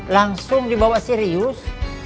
langsung dibawa serius